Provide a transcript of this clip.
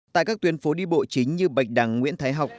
tại các tuyến phố đi bộ chính như bạch đằng nguyễn thái học